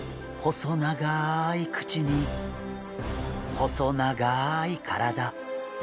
細長い口に細長い体。